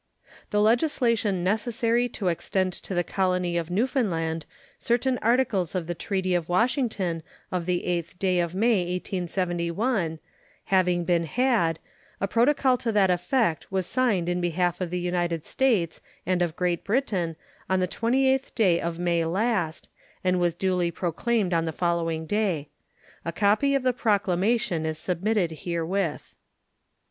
The legislation necessary to extend to the colony of Newfoundland certain articles of the treaty of Washington of the 8th day of May, 1871, having been had, a protocol to that effect was signed in behalf of the United States and of Great Britain on the 28th day of May last, and was duly proclaimed on the following day. A copy of the proclamation is submitted herewith.